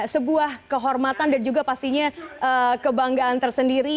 sebuah kehormatan dan juga pastinya kebanggaan tersendiri